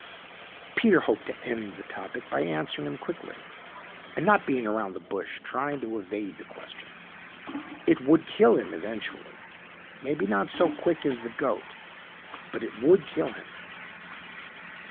Peter hoped to end the topic by answering him quickly and not beating around the bush trying to evade the question. "It would kill him eventually. Maybe not so quick as the goat, but it would kill him."